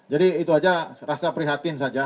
jadi itu saja rasa prihatin saja